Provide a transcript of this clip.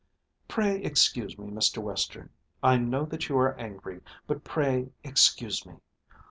"Pray excuse me, Mr. Western. I know that you are angry, but pray excuse me.